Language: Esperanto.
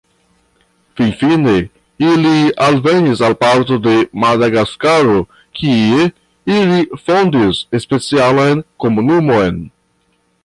Finfine ili alvenis al parto de Madagaskaro kie ili fondis specialan komunumon.